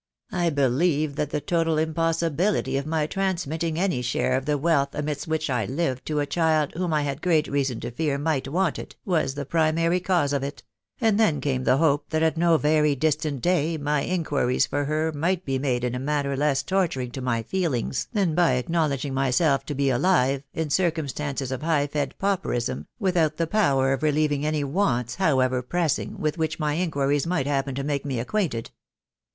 I believe that the total impossibility of my transmitting any share of the wealth amidst which I lived to a child whom I had great reason to fear might want it, was the primary cause of it .... and then came the hope that at no very dis tant day my inquiries for her might be made in a manner less torturing to my feelings than by acknowledging myself to be alive, in circumstances of high fed pauperism, without the power of relieving any wants, however pressing, with which my inquiries might happen to make me acquainted.